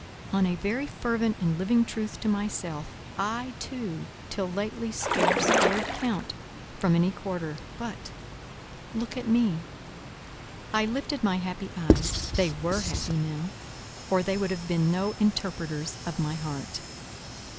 On a very fervent and living truth to myself, I, too, till lately scarce dared count, from any quarter; but——look at me." I lifted my happy eyes: they were happy now, or they would have been no interpreters of my heart.